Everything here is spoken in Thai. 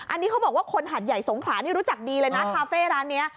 อันนี้เขาบอกว่าคนหัดใหญ่สงขลานี่รู้จักดีเลยนะคาเฟ่ร้านนี้